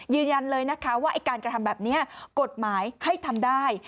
ยืนยันเลยนะคะว่าไอ้การกระทำแบบนี้กฎหมายให้ทำได้